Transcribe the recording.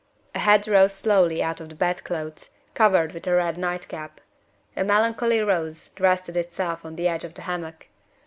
A head rose slowly out of the bedclothes, covered with a red night cap. A melancholy nose rested itself on the edge of the hammock.